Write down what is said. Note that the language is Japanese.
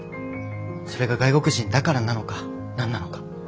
それが外国人だからなのか何なのか？